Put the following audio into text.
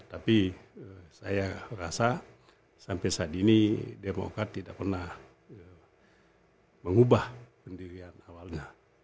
tapi saya rasa sampai saat ini demokrat tidak pernah mengubah pendirian awalnya